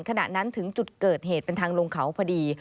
ขณะนั้นถึงจุดเกิดเหตุเป็นทางลงเขาพอดี